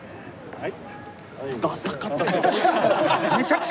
はい。